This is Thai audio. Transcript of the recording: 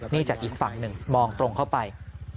นี่จากอีกฝั่งหนึ่งมองตรงเข้าไป